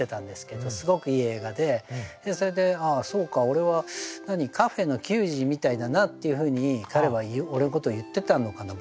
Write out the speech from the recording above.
俺は何カフェの給仕みたいだなっていうふうに彼は俺のことを言ってたのかな